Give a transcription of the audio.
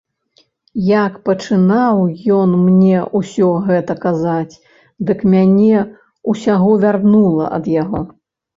Як пачынаў ён мне ўсё гэта казаць, дык мяне ўсяго вярнула ад яго.